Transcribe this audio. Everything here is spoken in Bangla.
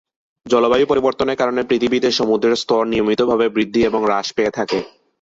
জলবায়ু পরিবর্তনের কারণে পৃথিবীতে সমুদ্রের স্তর নিয়মিতভাবে বৃদ্ধি এবং হ্রাস পেয়ে থাকে।